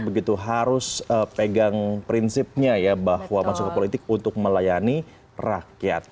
begitu harus pegang prinsipnya ya bahwa masuk ke politik untuk melayani rakyat